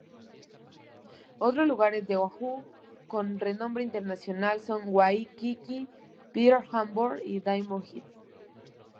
Otros lugares de Oahu con renombre internacional son: Waikiki, Pearl Harbor y Diamond Head.